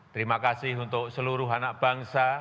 terima kasih untuk seluruh anak bangsa